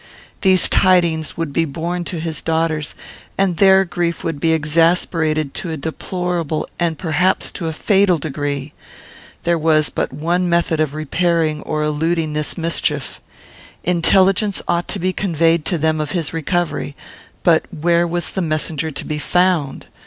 These tidings would be borne to his daughters, and their grief would be exasperated to a deplorable and perhaps to a fatal degree. There was but one method of repairing or eluding this mischief. Intelligence ought to be conveyed to them of his recovery. But where was the messenger to be found?